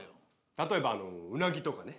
例えばうなぎとかね。